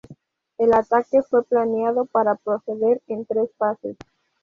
El ataque fue planeado para proceder en tres fases.